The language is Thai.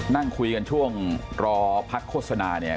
นั่งคุยกันช่วงรอพักโฆษณาเนี่ย